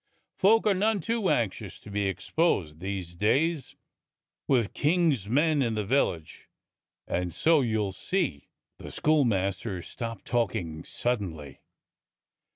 Folk are none too anxious to be exposed these days with King's men in the village, and so you'll see " The schoolmaster stopped talking suddenly.